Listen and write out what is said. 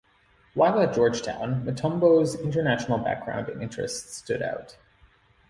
While at Georgetown, Mutombo's international background and interests stood out.